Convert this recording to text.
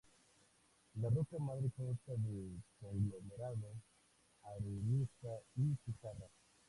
La roca madre consta de conglomerado, arenisca y pizarra.